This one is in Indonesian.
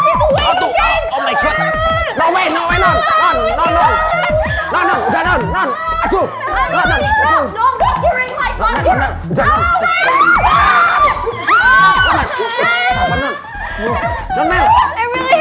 saya udah selalu berhenti buat nyusahin pak regar